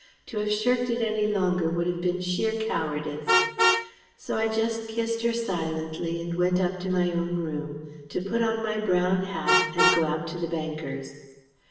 To have shirked it any longer would have been sheer cowardice. So I just kissed her silently, and went up to my own room to put on my brown hat, and go out to the banker's.